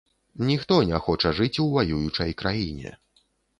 Ніхто не хоча жыць у ваюючай краіне.